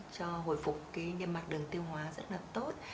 cho hồi phục cái viêm mặt đường tiêu hóa rất là tốt